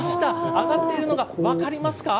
上がっているのが分かりますか？